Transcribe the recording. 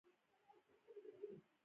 چې بې غمه کړلې تېرې لاروي شپې